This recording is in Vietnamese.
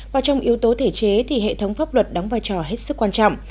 và trong yếu tố thể chế thì hệ thống pháp luật đóng vai trò hết sức quan trọng